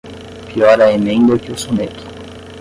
Pior a emenda que o soneto.